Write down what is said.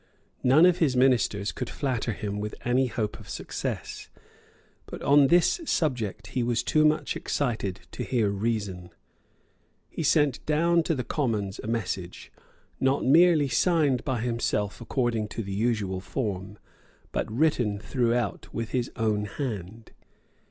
None of his ministers could flatter him with any hope of success. But on this subject he was too much excited to hear reason. He sent down to the Commons a message, not merely signed by himself according to the usual form, but written throughout with his own hand.